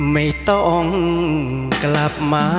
ไม่ต้องกลับมา